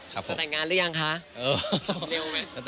ค่ะจะแต่งงานรึยังคะ